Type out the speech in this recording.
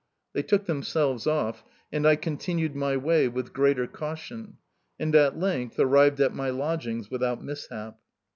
They took themselves off, and I continued my way with greater caution, and at length arrived at my lodgings without mishap.